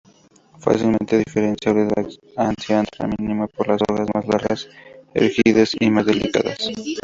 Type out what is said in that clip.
Fácilmente diferenciable de "Acianthera minima" por las hojas más largas, erguidas y más delicadas.